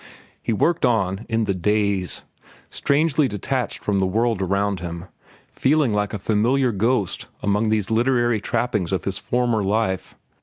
He worked on in the daze, strangely detached from the world around him, feeling like a familiar ghost among these literary trappings of his former life.